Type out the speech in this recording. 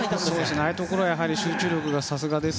ああいうところの集中力はさすがです。